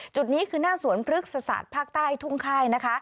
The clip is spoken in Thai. จุดนี้คือหน้าสวนพลึกศาสตร์ภาคใต้ทุ่งไข้